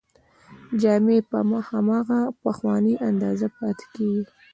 جامې په هماغه پخوانۍ اندازه پاتې کیږي.